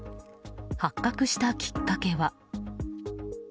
発覚したきっかけは。